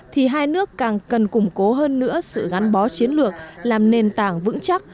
thì hai nước càng cần củng cố hơn nữa sự gắn bó chiến lược làm nền tảng vững chắc